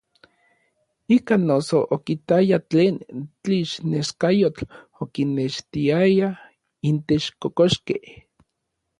Ikan noso okitaya tlen tlixneskayotl okinextiaya intech kokoxkej.